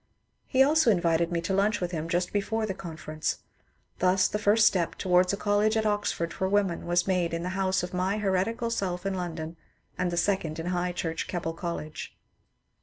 He also invited me to lunch with him just before the con ference. Thus the first step towards a college at Oxford for women was made in the house of my heretical self in Lon don, and the second in High Church Keble College.